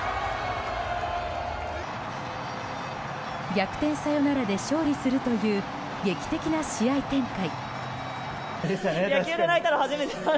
逆転サヨナラで勝利するという劇的な試合展開。